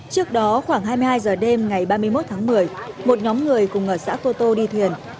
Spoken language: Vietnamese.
trước đó khoảng hai mươi hai h đêm ngày ba mươi một tháng một mươi một nhóm người cùng ở xã cô tô đi thuyền